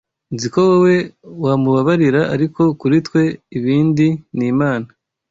nziko wowe wamubabarira ariko kuri twe ibindi n’Imana